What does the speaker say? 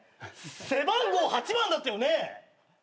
背番号８番だったよね？